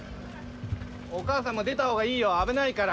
お母さんも出たほうがいいよ、危ないから！